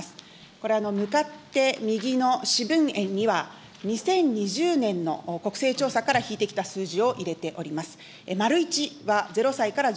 これは向かって右の四分円には、２０２０年の国勢調査から引いてきた数字を入れております。